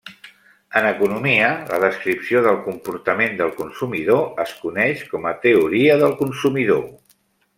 En economia la descripció del comportament del consumidor es coneix com a teoria del consumidor.